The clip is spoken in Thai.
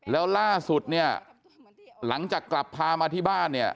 แล้วล่าสุดเนี่ยหลังจากกลับพามาที่บ้านเนี่ย